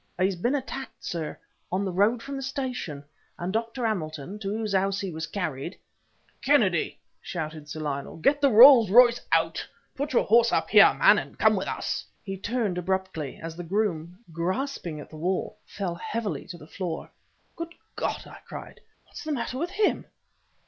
"He's been attacked, sir, on the road from the station, and Dr. Hamilton, to whose house he was carried " "Kennedy!" shouted Sir Lionel, "get the Rolls Royce out! Put your horse up here, my man, and come with us!" He turned abruptly ... as the groom, grasping at the wall, fell heavily to the floor. "Good God!" I cried "What's the matter with him?"